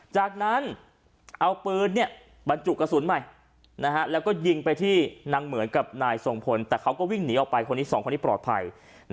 จากนั้นเอาปืนบรรจุกระสุนใหม่แล้วก็ยิงไปที่นางเหมือนกับนายทรงพลแต่เขาก็วิ่งหนีออกไปคนนี้สองคนนี้ปลอดภัย